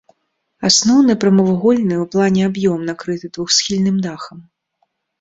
Асноўны прамавугольны ў плане аб'ём накрыты двухсхільным дахам.